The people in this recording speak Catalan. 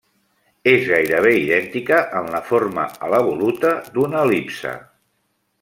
És gairebé idèntica en la forma a l'evoluta d'una el·lipse.